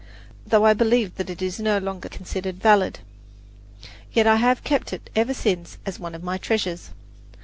Though I believe it is no longer considered valid, yet I have kept it ever since as one of my treasures.